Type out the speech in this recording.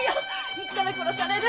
言ったら殺される。